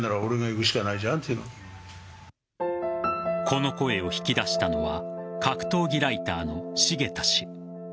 この声を引き出したのは格闘技ライターの茂田氏。